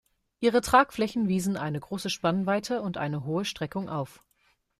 Ihre Tragflächen wiesen eine große Spannweite und eine hohe Streckung auf.